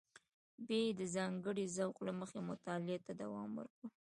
بیا یې د ځانګړي ذوق له مخې مطالعه ته دوام ورکړ.